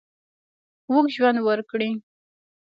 اوږد ژوند ورکړي.